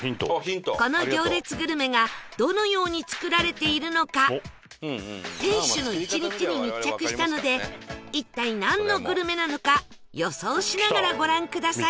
この行列グルメがどのように作られているのか店主の１日に密着したので一体なんのグルメなのか予想しながらご覧ください